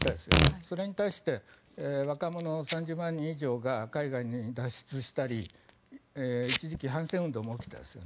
それに対して若者３０万人以上が海外に脱出したり、一時期反戦運動も起きましたよね。